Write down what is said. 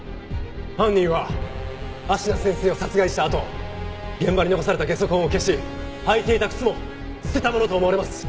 犯人は芦名先生を殺害したあと現場に残された下足痕を消し履いていた靴も捨てたものと思われます。